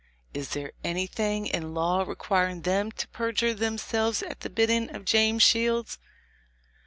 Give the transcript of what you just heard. Is there anything in law requiring then to perjure themselves at the bidding of James Shields?